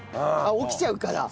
起きちゃうから。